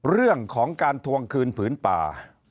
เรื่องของการทวงคืนผืนป่า